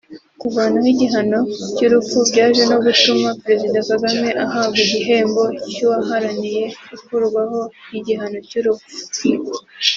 Kuvanaho igihano cy’urupfu byaje no gutuma Perezida Kagame ahabwa igihembo cy’uwaharaniye ikurwaho ry’igihano cy’urupfu